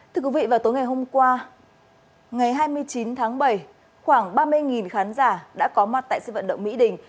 thưa quý vị vào tối ngày hôm qua ngày hai mươi chín tháng bảy khoảng ba mươi khán giả đã có mặt tại sự vận động mỹ đình